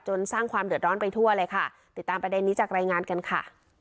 สร้างความเดือดร้อนไปทั่วเลยค่ะติดตามประเด็นนี้จากรายงานกันค่ะ